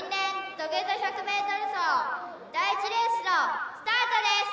土下座１００ｍ走第１レースのスタートです